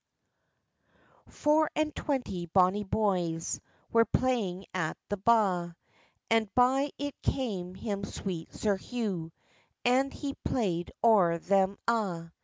FOUR AND TWENTY bonny boys Were playing at the ba, And by it came him sweet Sir Hugh, And he playd o'er them a'.